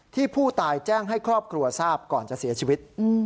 ที่ผู้ตายแจ้งให้ครอบครัวทราบก่อนจะเสียชีวิต